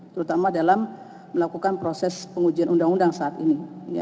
terutama dalam melakukan proses pengujian undang undang saat ini